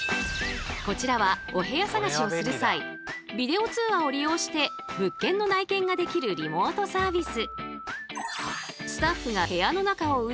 こちらはお部屋探しをする際ビデオ通話を利用して物件の内見ができるリモートサービス。